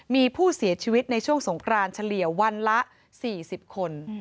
มีผู้เสียชีวิตในช่วงสงครานเฉลี่ยวันละ๔๐คน